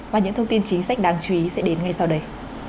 và những thông tin chính sách đáng chú ý sẽ đến ngay sau đây